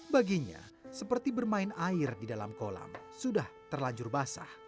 baginya seperti bermain air di dalam kolam sudah terlanjur basah